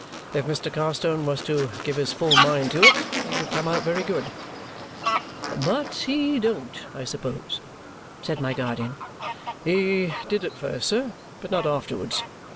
"If Mr. Carstone was to give his full mind to it, he would come out very good." "But he don't, I suppose?" said my guardian. "He did at first, sir, but not afterwards.